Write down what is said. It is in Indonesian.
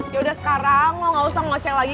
yaudah sekarang lu gak usah ngocek lagi